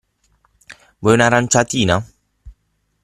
Vuoi un'aranciatina?